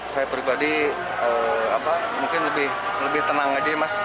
saya pribadi mungkin lebih tenang aja mas